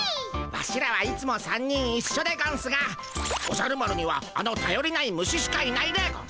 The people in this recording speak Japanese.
ワシらはいつも３人いっしょでゴンスがおじゃる丸にはあのたよりない虫しかいないでゴンス。